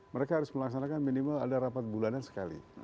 mereka harus melaksanakan minimal ada rapat bulanan sekali